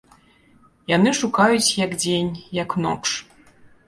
Яны шукаюць як дзень, як ноч.